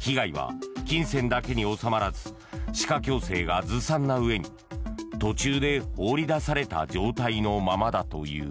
被害は金銭だけに収まらず歯科矯正がずさんなうえに途中で放り出された状態のままだという。